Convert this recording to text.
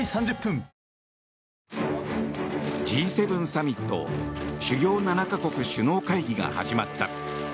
Ｇ７サミット主要７か国首脳会議が始まった。